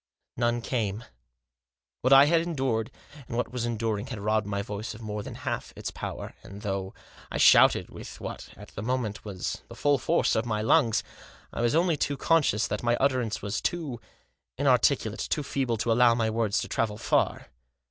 None came. What I had endured, and was enduring, had robbed my voice of more than half its power. And though I shouted with what, at the moment, was the full force of my lungs, I was only too conscious that my utterance was too inarticulate, too feeble, to allow my words to travel far.